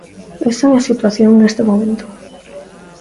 Esa é a situación neste momento.